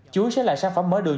chuối sẽ là sản phẩm mở đường